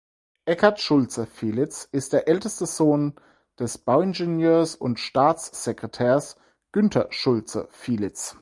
Eckhard Schulze-Fielitz ist der älteste Sohn des Bauingenieurs und Staatssekretärs Günther Schulze-Fielitz.